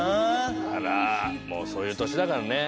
あらもうそういう年だからね。